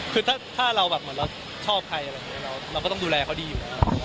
คือถ้าเราชอบใครเราก็ต้องดูแลเขาดีอยู่